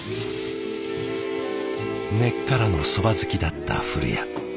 根っからのそば好きだった古谷。